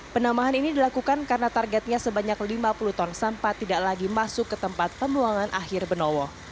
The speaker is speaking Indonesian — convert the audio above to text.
penambahan ini dilakukan karena targetnya sebanyak lima puluh ton sampah tidak lagi masuk ke tempat pembuangan akhir benowo